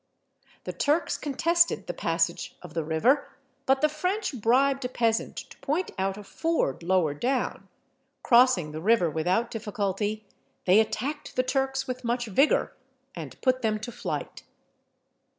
The Turks contested the passage of the river, but the French bribed a peasant to point out a ford lower down: crossing the river without difficulty, they attacked the Turks with much vigour, and put them to flight.